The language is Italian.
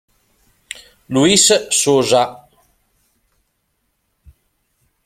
Luis Sosa